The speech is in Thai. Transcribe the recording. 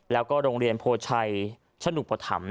แล้วก็โรงเรียนโพชัยชนุกประถำ